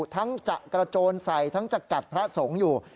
ทั้งจักรจรใส่ทั้งจักรกัดพระสงธ์อยู่